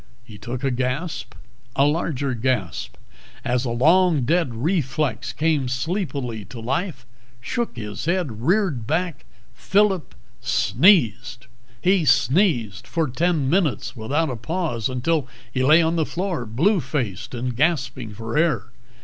He took a gasp, a larger gasp, as a long dead reflex came sleepily to life, shook its head, reared back ... Phillip sneezed. He sneezed for ten minutes without a pause, until he lay on the floor blue faced and gasping for air.